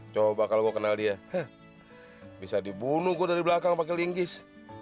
coba kalau gue kenal dia bisa dibunuh gue dari belakang pakai lingkis